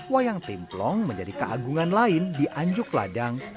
wayang templong menjadi keagungan lain di anjuk ladang